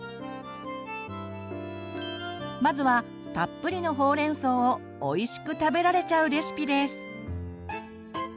まずはたっぷりのほうれんそうをおいしく食べられちゃうレシピです。